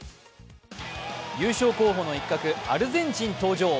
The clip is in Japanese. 優勝候補の一角・アルゼンチン登場。